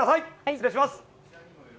失礼します。